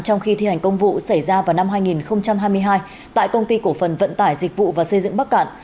trong khi thi hành công vụ xảy ra vào năm hai nghìn hai mươi hai tại công ty cổ phần vận tải dịch vụ và xây dựng bắc cạn